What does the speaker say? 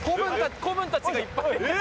子分たちがいっぱい。